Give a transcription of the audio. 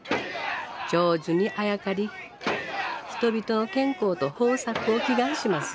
長寿にあやかり人々の健康と豊作を祈願します。